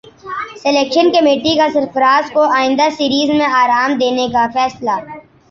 selection committee کا سرفراز کو ئندہ سیریز میں رام دینے کا فیصلہ